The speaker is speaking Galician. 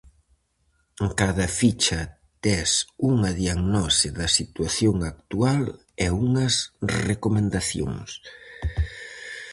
En cada ficha tes unha diagnose da situación actual e unhas recomendacións.